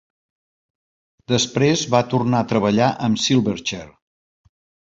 Després va tornar a treballar amb Silverchair.